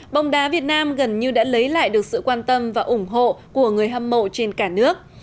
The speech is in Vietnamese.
bóng đá việt nam gần như đã lấy lại được sự quan tâm và ủng hộ của người hâm mộ trên cả nước